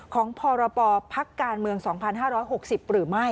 ของพปพักการเมือง๒๕๖๐หรือไม่